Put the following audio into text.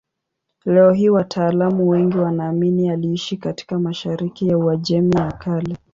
Leo hii wataalamu wengi wanaamini aliishi katika mashariki ya Uajemi ya Kale.